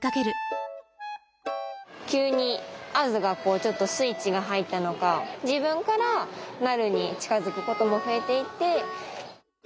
急にアズがちょっとスイッチが入ったのか自分からナルに近づくことも増えていって。